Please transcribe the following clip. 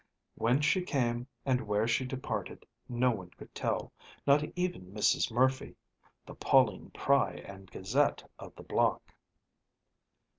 Whence she came and where she departed, no one could tell, not even Mrs. Murphy, the Pauline Pry and Gazette of the block.